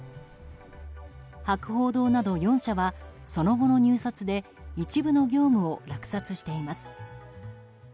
博報堂など４社はその後の入札で一部の業務を落札しています。